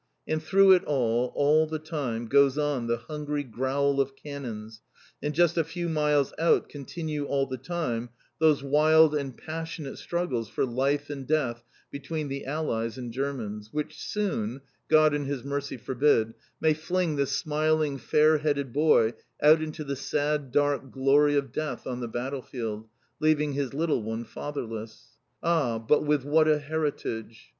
And through it all, all the time, goes on the hungry growl of cannons, and just a few miles out continue, all the time, those wild and passionate struggles for life and death between the Allies and Germans, which soon God in His mercy forbid may fling this smiling, fair headed boy out into the sad dark glory of death on the battle field, leaving his little one fatherless. Ah, but with what a heritage!